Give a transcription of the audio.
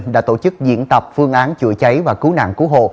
đã tổ chức diễn tập phương án chữa cháy và cứu nạn cứu hộ